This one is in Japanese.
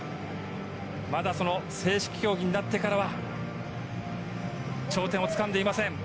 まだ正式競技になってからは頂点をつかんでいません。